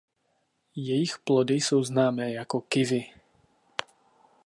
Jejich plody jsou známé jako kiwi.